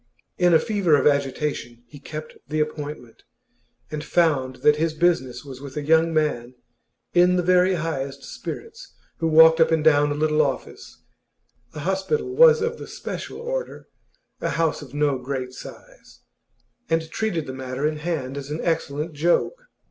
In a fever of agitation he kept the appointment, and found that his business was with a young man in the very highest spirits, who walked up and down a little office (the hospital was of the 'special' order, a house of no great size), and treated the matter in hand as an excellent joke.